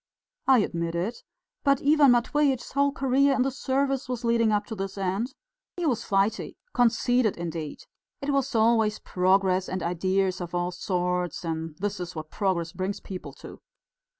"I admit it. But Ivan Matveitch's whole career in the service was leading up to this end. He was flighty conceited indeed. It was always 'progress' and ideas of all sorts, and this is what progress brings people to!"